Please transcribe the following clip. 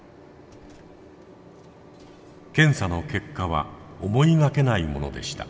検査の結果は思いがけないものでした。